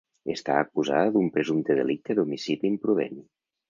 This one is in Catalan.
Està acusada d’un presumpte delicte d’homicidi imprudent.